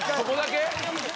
そこだけ？